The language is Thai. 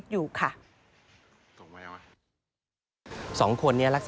พบหน้าลูกแบบเป็นร่างไร้วิญญาณ